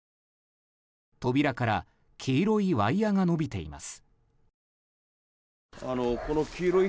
扉から黄色いワイヤが伸びています。